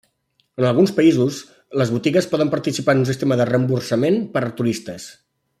En alguns països, les botigues poden participar en un sistema de reemborsament per a turistes.